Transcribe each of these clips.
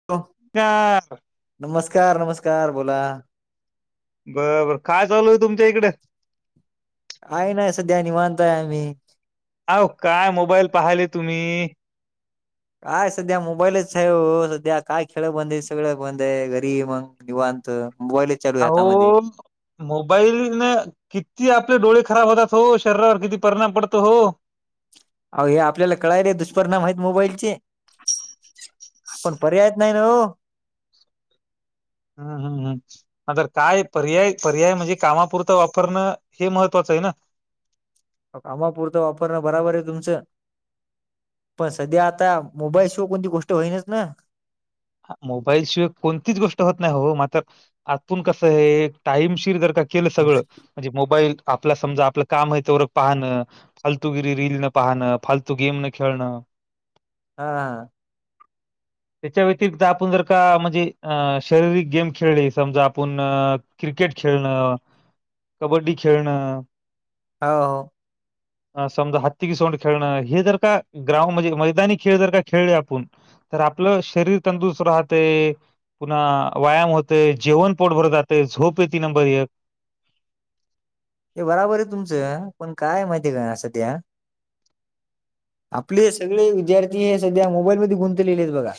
[unintelligible] का असं नमस्कार नमस्कार बोला, बरबर काय चालू य तुमच्या इकड आहे ना सध्या निवांत आहे आम्ही अहो काय मोबाईल पाहायले तुम्ही काय सध्या मोबाईलच हाय ओ सध्या काय खेळ बंद आहेत सगळं बंद ये घरी ये मंग निवांत मोबाईल आहो मोबाईल न किती आपले डोळे खराब होतात हो शरीरावर किती परिणाम पडतो हो. अह हे आपल्याला कळायले दुष्परिणाम आहेत मोबाईलचे पण पर्यायत नाही ना. हम् हम् हम. तर काय पर्याय पर्याय म्हणजे कामापुरतं वापरणं हे महत्त्वाचं आहे ना. कामापुरतं वापरणं बरोबर आहे तुमचं. पण सध्या आता मोबाईल शिवाय कोणती गोष्ट होईनच ना मोबाईलशिवाय कोणतीच गोष्ट होत नाही हो मात्र आतून कसं आहे टाइमशीिर जर का? केलं सगळं म्हणजे मोबाईल आपला समजा आपलं काम आहे तेवर पाहणं फालतू गिरी रील न पाहणं फालतू गेम न खेळणं हा. त्याच्या व्यतिरिक्त आपण जर का म्हणजे शारीरिक गेम खेळले समजा आपण क्रिकेट खेळणं कबड्डी खेळणं. हो हो समजा हत्ती की सोंड खेळणं हे जर का ग्राउंड म्हणजे मैदानी खेळ जर का खेळले आपण तर आपलं शरीर तंदुरुस्त राहते पुन्हा व्यायाम होतय जेवण पोटभर जातय झोप य ती नंबर एक हे बराबर आहे तुमचं पण काय माहितीय का सध्या आपले सगळे विद्यार्थी हे सध्या मोबाईलमध्ये गुंतलेले आहेत बघा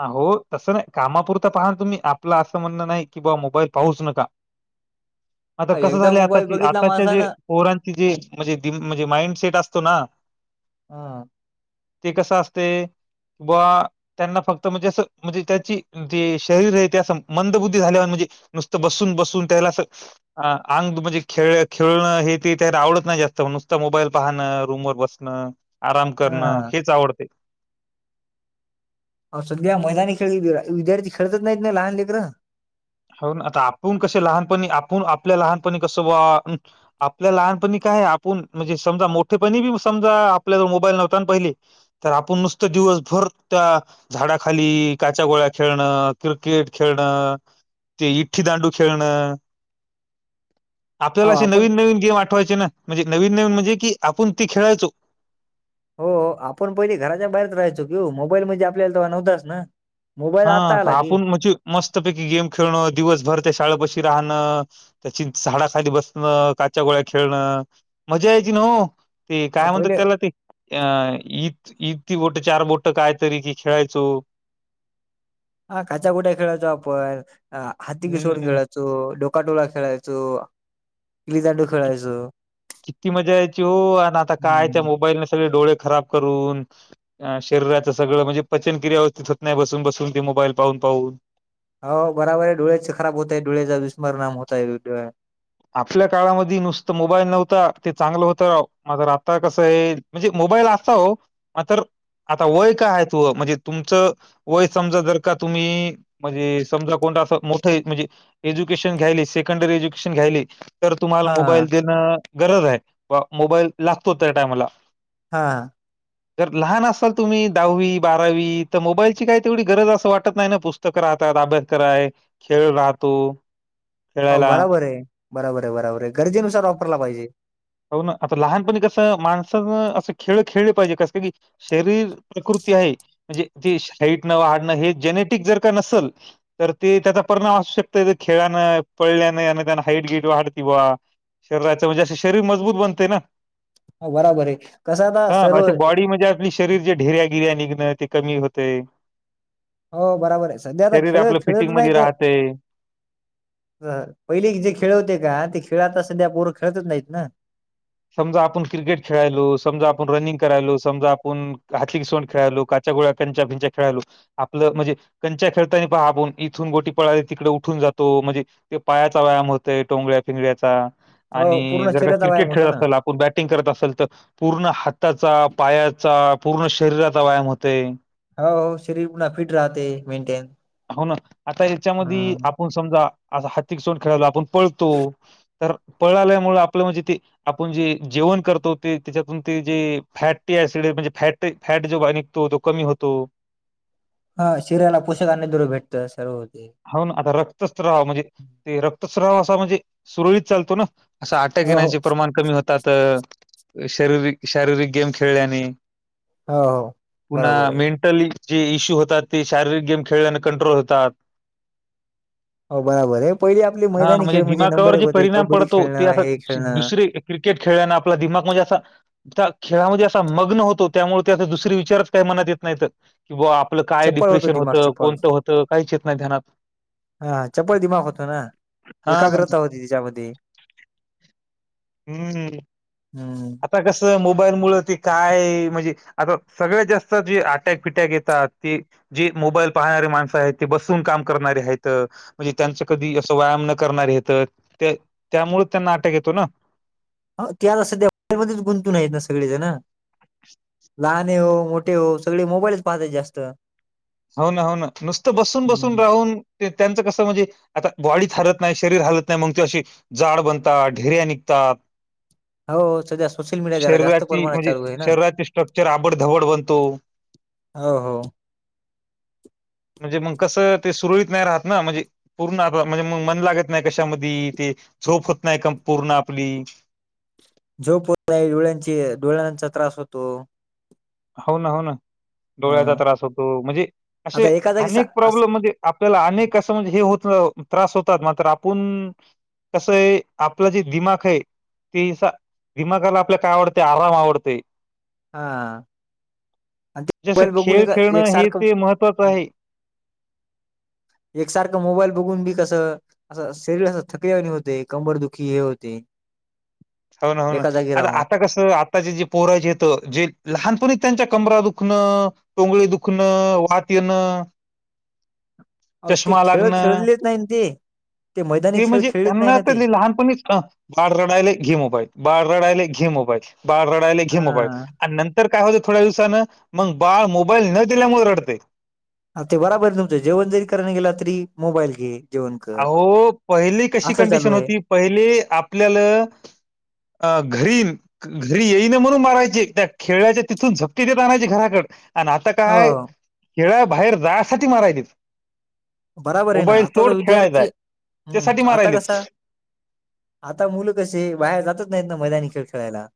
ह हो तसं नाही कामापुरता पाहा तुम्ही आपलं असं म्हणणं नाही की बा मोबाईल पाहूच नका. [inaudible] मता कसं एकदा झालं मोबाईल आताची बघितला आताच्या जे माणसानं पोरांची जे म्हणजे म्हणजे माइंडसेट असतो ना. हा ते कसं असते बा त्यांना फक्त म्हणजे असं म्हणजे त्याची जे शरीर आहे त्या मंदबुद्धी झाल्यावर म्हणजे नुसतं बसून बसून त्याला अ अंग म्हणजे खेळ खेळणं हे ते तरी आवडत नाही जास्त नुसतं मोबाईल पाहणं रूमवरर बसत आराम करणं हा हेच आवडत सध्या मैदानीने खेळ विद्यार्थी खेळत नाहीत ना लहान लेक्रं हो ना आता आपण कसे लहानपणी आपण आपल्या लहानपणी कसं बा आपल्या लहानपणी काय आहे आपण म्हणजे समजा मोठेपणी बी समजा आपल्याला मोबाईल नव्हता आणि पहिले तर आपण नुसतं दिवसभर त्या झाडाखाली काच्या गोळ्या खेळणं क्रिकेट खेळणं. ते इठ्ठी दांडू खेळणं आपल्याला अहो असे आपण नवीन नवीन गेम आ ठवायचे ना म्हणजे नवीन नवीन म्हणजे की आपण ती खेळायचो हो आपण पहिली घराच्या बाहेरच राहायचो कीऊ मोबाईल म्हणजे आपल्याला त नव्हताच ना मोबाईल हा आता आला की आपण म्हणजे मस्तपैकी गेम खेळणं दिवसभर त्या शाळापशी राहणं. त्याची झाडाखाली बसणं काच्या गोळ्या खेळणं मजा यायचीि न हो ते अहो काय म्हणतात पहिले त्याला ते अ इत इतती बोट चार बोट काय तरी की खेळायचो हा काचा बुट्या खेळायचो आपण हाती कि सोडून हम्म खेळायचो तो डोका टोळा खेळायचो किलीदाांडू खेळायचो. किती मजा यायची हो आणि आता कायच्या हम्म मोबाईलने सगळे डोळे खराब करून शरीरां सगळं म्हणजे पचन कि व्यवस्थित होत नाही बसून बसून ते मोबाईल पाहून पाहून हो बराबर आहे डोळ्याच खराब होतय डोळ्याचा दुषमरनाम होतयर आपल्या काळामध्येध नुसतं मोबाईल नव्हता ते चांगलं होतं राव माझ आता कसं आहे? म्हणजे मोबाईल असा हो मात आता वय काय आहे त व म्हणजे तुमचं वय समजा जर का तुम्ही म्हणजे समजा कोणत असं मोठं म्हणजे एज्युकेशन घ्यायली सेकंडरी एज्युकेशन घ्यायली तर तुम्हाला हा मोबाईल देणं. गरज आहे बा मोबाईल लागतो त्या टायमाला हा तरर लहान असाल तुम्ही दहावी बारावी तर मोबाईलची काय तेवढी गरज असं वाटत नाही ना पुस्तक पुस्तक राहतात अभ्यास कराय खेळ राहतो हो खेळायला बराबर आहे बरोबर आहे बरोबर आहे गरजेनुसार वापरला पाहिजे हो ना आता लहानपणी कसं माणसानं असं खेळ खेळले पाहिजे कसं की शरीर प्रकृती आहे म्हणजे ती हेटणं वाडणं हे जेनेटिक जर का नसेल तर ते त्याचा परिणाम असवू शक खेळानं पळल्याने आणि त्याना हाईट गिट वाढते बा शरीराच म्हणजे असं शरीर मजबूत बनते ना हा बराबर आहे कस आता सर्व आणि शरीर जे ढिर्यागिर्या निघणं ते कमी होते हो बरोबर आहे सध्या आता शरीर खेळ आपलं खेळत नाही फिटिंगमध्ये तर राहतंय. पहिली जे खेळ होते का ते खेळ आता सध्या पोरं खेळतच नाहीत ना समजा आपण क्रिकेट खेळायलो समजा आपण रनिंग करायलो समजा आपण हातली सवंड खेळायलो गोळकच्या भिंच्या खेळाल आपलं म्हणजे कंच्या खेळतानी पबून इथून गोटी पळाले तिकडे उठून जातो म्हणजे ते पायाचा व्यायाम होतय टोंगळ्या फिंगळ्याचा हो आणि पूर्ण जर का शरीराचा व्यायाम क्रिकेट होतो खेळत अस ना आपण बॅटिंग करत असेल तर पूर्ण हाताचा पायाचा पूर्ण शरीराचा व्यायाम होते हो हो शरीर पुन्हा फिट राहते मेंनटेन हो ना आता याच्यामध्ये आपण समजा आ हत्िक सोड खेळायला आपण पळतो तर पळाल्यामुळे आपलं म्हणजे ते आपण जे जेवण करतोते त्याच्यातून ते जे फॅटी सिड म्हणजे फॅट फॅट जो निघतो तो कमी होतो हा शरीराला पोषखांनी दुर भेटत सर्व होते हो ना आता रक्तस्राव म्हणजे ते रक्तस्राव असा म्हणजे सुरळीत चालतो ना असं अटक हो हो येण्याचे प्रमाण कमी होतात शारीर शारीरिक गेम खेळल्याने हो हो. पुन्हा बरोबर आहे. मेंटली जे इश्यू होतात ते शारीरिक गेम खेळल्याने कंट्रोल होतात हो बरोबर आहे पहिली आपली हां, मैदानी खेळ म्हणजे नंबर दिमागावर एक जे होती परिणाम कबड्डी पडतो, ते खेळणं असा हे शि खेळणं दुसरे क्रिकेट खेळल्याना आपला दिमाग म्हणजे असं त्या खेळामध्ये असा मग्न होतो त्यामुळे त्याचा दुसर विचारच काही मनात येत नाही तर किं आपलं काय चपळ होतो डिप्रेशन दिमाग होतं चपळ कोणतं होतं काही चेत नाही धनात हा चपल दिमागख होतो ना हां, एकाग्रता होती त्याच्यामध्ये हम्म हम्म आता कसं मोबाईल मु ते काय म्हणजे आता सगळ्यात जास्त जे अटॅक पिटॅक येतात ते जे मोबाईल पाहणारे माणसं आहेत ते बसून काम म्हणजे त्यांच कधी अस व्यायाम न करणारेेत ते त्यामुळेच त्यांना अटक येतो ना त्या सध्या बारमध्येध्येच गुंतून आहेत ना सगळे जण [inaudible] लहाने हो मोठे हो सगळे मोबाईलच पाहतात जास्त हो ना हो ना नुसतं बसून बसून हम्म. राहून त्यांचं कसं म्हणजे आता बॉडी हलत नाही शरीर हलत नाही मग ते अशी जाड बनतात ढिऱ्या निघतात. हो सध्या सोशल मीडिया जरा जास्त शरीराची प्रमाणात म्हणजे चालू आहे ना. शरीराची स्ट्रक्चर आबडधवड बनतो. हो हो म्हणजे मग कसं ते सुरळीत नाही राहात ना म्हणजे पूर्ण आप म्हणजे मग मन लागतं नाही कशामध्ये ते झोप होत नाही का पूर्ण आपली जो झोप डोळ्यांची डोळ्यांचा त्रास होतो. हो ना हो ना अ डोळ्याचा त्रास होतो म्हणजे असे आता एका जागी सा अनेक अस प्रॉब्लेम म्हणजे आपल्याला अनेक असं म्हणजे हे होत त्रास होतात मात्र आपण कसं आहे आपलं जे दिमाग आहे ते दिमागाला आपल्याला काय आवडते आराम आवडते हा आणि ते जसं मोबाईल बघून खेळ एक खेळणं हे एकसारखं ते महत्त्वाचं आहे एकसारखं मोबाईल बघून बी कसं असं शरीर असं थकल्यावाणी होते कंबर दुखी हे होते. होन हो ना एका जागी आता राहून. आता कसं चे जे पोराजे येत जे लहानपणी त्यांच्या कमरा दुखणं टोंगळी दुखणं वात येणं अ ते चष्मा खेळ लागणं खेळलेच नाही ते मैदानी ते खेळ म्हणजे खेळलेच नाही त्यांना ना ते. लहानपणी बाळ रडायले घे मोबाईल बाळ रडायले घे मोबाईल बाळ रडायले घे मोबाईल हा आणि नंतर काय होत थोड्या दिवसानं मग बाळ मोबाईल न दिल्यामुळे रडते ते बराबर आहे तुमचं जेवण जरी करायला गेला तरी मोबाईल घे जेवण कर. अहो पहिली कशी असं चालू कंडिशन आहे होती पहिले आपल्याला घरीन घरी येईन म्हणून मारायचे त्या खेळ्याच्या तिथून झपट्या देत आणायचे घराकडे आणि आता हो काय खिळाया बाहेर जायसाठी मारायलीत बराबर आहे ना आता तर विद्यार्थी हम्म त्यासाठी आता मारायलेत. कसा आता मुलं कसेे बाहेर जातच नाहीत ना मैदानी खेळ खेळायला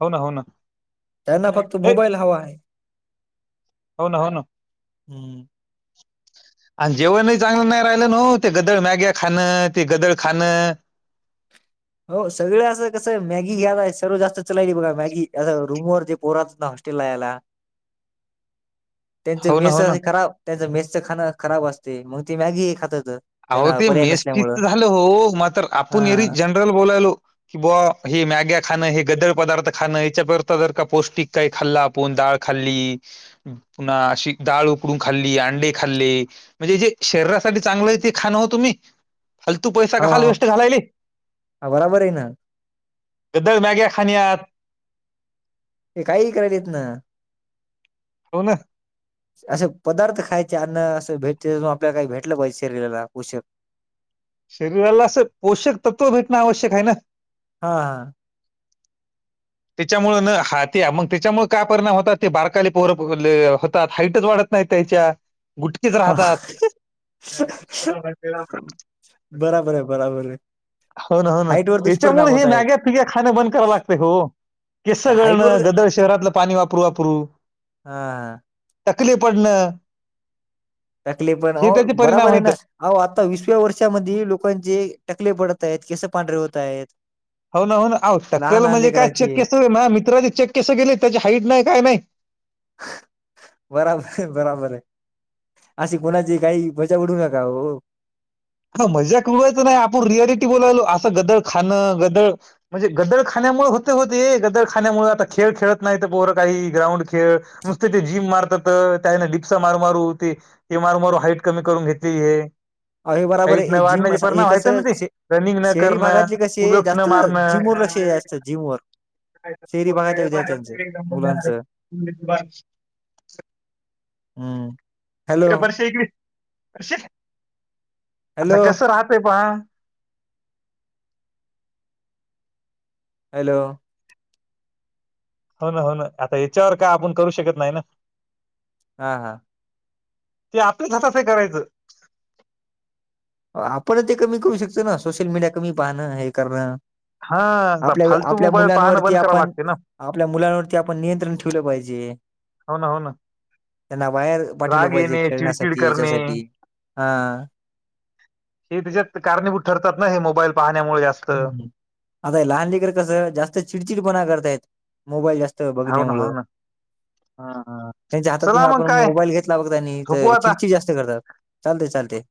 हो ना, हो ना. त्यांना हे फक्त मोबाईल हवा आहे हो ना हो ना हम्म आणि जेवणही चांगलं नाही राहिलं न ते गदळ मॅग्या खाणं ते गदळ खानणं हो सगळ असं कसं मॅगी घ्याय सर्व जास्त चलाली बघा मॅगी अस रूमवर जे पोरातच ना तेला चला त्यांचं हो ना मेस हो ना हि खराब त्यांचं मेसच खाणं हि खराब असते मग ते मॅगी खातात अहो त्यांना ते पर्याय मेस फी नसल्यामुळं झालं हो म तर हा आपण एरी जनरल बोलायलो. कि बुआ हे मॅग्या खाणं हे गदळ पदार्थ खाणं यायाच्या जर का पौष्टिक काही खाल्ला कोण डाळ खाल्ली पुन्हा अशी डाळ उकडून खाल्ली अंडे खाल्ले म्हणजे जे शरीरासाठी चांगलं ते खाण तुम्ही फालतू पैसा का हो खाल वेस्ट घालायले हो बराबर आहे ना गदळ मॅगे खाण्यात हे काही करायलाेत ना हो ना असे पदार्थ खायचे अ्न असं भेटते आपल्याला काही भेटलं पाहिजे शरीराला कष. शरीराला असं पोषक तत्त्व भेटणं आवश्यक आहे ना हा हा त्याच्यामुळे न हा ते मग त्याच्यामुळे काय परिणाम होतात ते बारकाले पोर होतात हाईटच वाढत नाही त्यायाच्या बुटकेच हा राहतात. बराबर आहे बराबर आहे हो ना हो ना हाईट वर दुष्परिणाम याच्यामुळे हे होत आहेत मॅग्या फिग्या खाण बंद कराव लागते हो केसगळण हाईट वर गदळ शहरातलं पाणी वापरू वापरू हा टकले पडणं, तकलीफ पण हो हे त्याचे परिणाम बरोबर आहे आहेत ना. अह आता विसव्या वर्षामध्ये लोकांचे टकले पडत आहेत केस पांढरे होत आहेत हो ना हो ना लहान टक्कल लहान म्हणजे काय लेकराचे कस मित्राचे चेक केस गेले त्याची हईट नाही काय नाही बराबर आहे बराबर आहे अशी कोणाची काही मज्जक उडवू नका हो हा मजा कवायचं नाही आपण रियालिटी बोलावलो असं गदळ खाणं गदळ. म्हणजे गद्दडखान्यामुळे होते होते गद्दडखाान्यामुळे आता खेळ खेळत नाही तर पोरं काही ग्राउंड खेळ. नुसत ते जिम मारतात त्याना डिपसा मारू मारू ते ती मारमारू हाईट कमी करून घेतली हे अ बराबर हाईट आहे न जिम वाढण्याचे असं हे परिणाम कस आहेत ना ते रनिंग न शहरी करणं भागातले कसे आहे पुलक्ष न जास्त जिम मारणं व लक्ष जास्त जिम वर्क शेरी बघायच्या विद्यार्थ्यांच मुलांच हम् वर्ष वर्ष आता हॅलो कसं राहतय पहा हॅलो हो ना हो ना आता याच्यावर काय आपण करू शकत नाही ना हा हा ते आपल्याच हाताते करायचं आपण ते कमी करू शकतो ना सोशल मीडिया कमी पाहणं हे करणं. हा आता आपल्या फालतू आपल्या मोबाईल पाहणं मुलांवरती बंद करावं आपण लागते ना आपल्या मुलांवरती आपण नियंत्रण ठेवलं पाहिजे. हो ना हो ना. त्यांना बाहेर पाठवलं राग पाहिजे येणे चिडचिड खेळण्यासाठी, करणे याच्यासाठी हं. हे त्याच्यात कारणीभूत ठरतात ना हे मोबाईल पाहण्यामुळे अस. आता लहानलीकर कसं जास्त चिडचिडपणा करतायत. मोबाईल जास्त ना हो बघण्यामुळ. ना हा हा त्यांच्या हातातून चला मग आपण काय मोबाईल घेतला बघता आणि झोपू तर आता चिडची जास्त करतात लते चालते.